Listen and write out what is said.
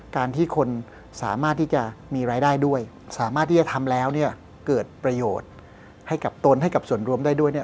การที่คนสามารถที่จะมีรายได้ด้วยสามารถที่จะทำแล้วเนี่ยเกิดประโยชน์ให้กับตนให้กับส่วนรวมได้ด้วยเนี่ย